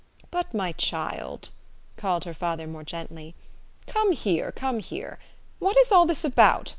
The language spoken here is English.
"But my child," called her father more gently, " come here, come here! What is all this about?